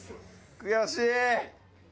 悔しい！